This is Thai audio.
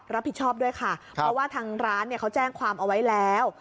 ด้วยค่ะเพราะว่าทางร้านเนี่ยเขาแจ้งความเอาไว้แล้ว